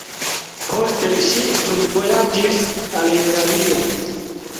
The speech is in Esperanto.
Poste ŝi studvojaĝis al Italio.